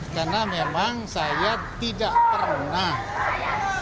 karena memang saya tidak pernah ikut ikutan masalah ekdpr